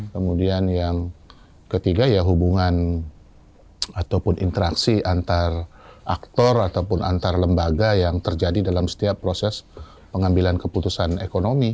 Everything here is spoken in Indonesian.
kemudian yang ketiga ya hubungan ataupun interaksi antar aktor ataupun antar lembaga yang terjadi dalam setiap proses pengambilan keputusan ekonomi